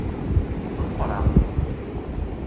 Ḍfeṛ-aɣ-d!